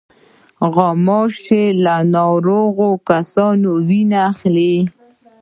غوماشې له ناروغو کسانو وینه اخلي.